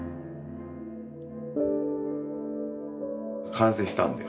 完成したんだよ。